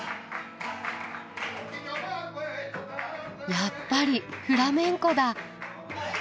やっぱりフラメンコだ。